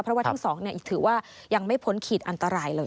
เพราะว่าทั้งสองถือว่ายังไม่พ้นขีดอันตรายเลย